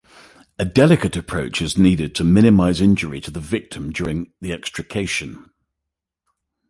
A delicate approach is needed to minimize injury to the victim during the extrication.